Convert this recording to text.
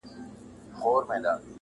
دا پاته عمر ملنګي کوومه ښه کوومه.